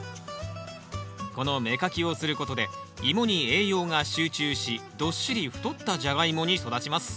この芽かきをすることでイモに栄養が集中しどっしり太ったジャガイモに育ちます。